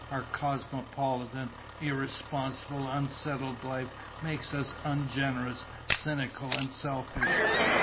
Our cosmopolitan, irresponsible, unsettled life makes us ungenerous, cynical and selfish.